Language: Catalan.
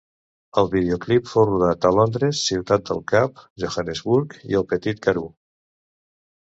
El videoclip fou rodat a Londres, Ciutat del Cap, Johannesburg i el Petit Karoo.